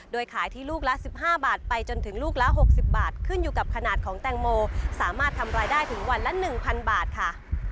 โดยขายที่ลูกละ๑๕บาทไปจนถึงลูกละ๖๐บาทขึ้นอยู่กับขนาดของแตงโมสามารถทำรายได้ถึงวันละ๑๐๐บาทค่ะ